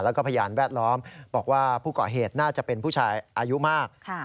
แล้วก็พยานแวดล้อมบอกว่าผู้ก่อเหตุน่าจะเป็นผู้ชายอายุมาก